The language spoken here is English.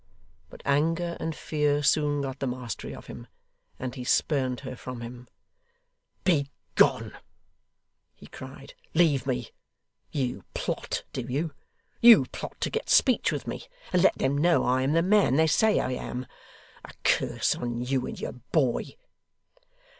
But anger and fear soon got the mastery of him, and he spurned her from him. 'Begone!' he cried. 'Leave me! You plot, do you! You plot to get speech with me, and let them know I am the man they say I am. A curse on you and on your boy.